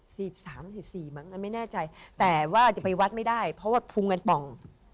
สิบสามสิบสี่มั้งอันไม่แน่ใจแต่ว่าจะไปวัดไม่ได้เพราะว่าพุงกันป่อง